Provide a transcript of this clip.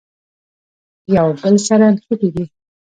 یو بل سره نښتي دي.